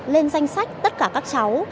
lên danh sách tất cả các cháu